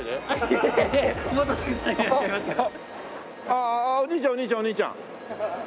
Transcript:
あお兄ちゃんお兄ちゃんお兄ちゃん。